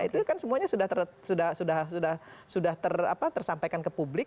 itu kan semuanya sudah tersampaikan ke publik